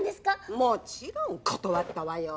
もちろん断ったわよ。